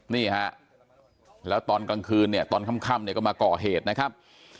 งานชรับตอนค่ำก็มาก่อเหตุนะครับ